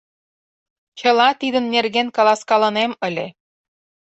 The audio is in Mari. Чыла тидын нерген каласкалынем ыле.